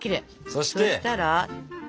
そしたら。